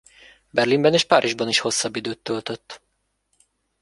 Berlinben és Párizsban is hosszabb időt töltött.